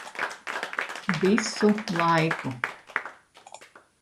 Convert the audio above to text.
Visu laiku.